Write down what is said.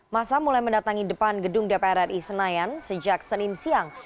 masa mulai mendatangi depan gedung dpr ri senayan sejak senin siang